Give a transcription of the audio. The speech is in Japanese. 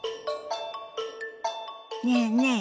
ねえねえ